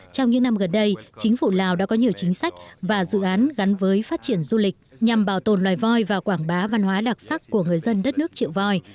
trong những năm gần đây chính phủ lào đã có nhiều chính sách và dự án gắn với phát triển du lịch nhằm bảo tồn loài voi và quảng bá văn hóa đặc sắc của người dân đất nước triệu voi